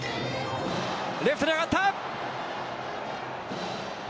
レフトに上がった。